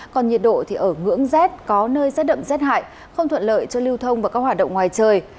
còn nhiệt độ thì ở ngưỡng rét có nơi rét đậm rét hại không thuận lợi cho lưu thông và các hoạt động ngoài trời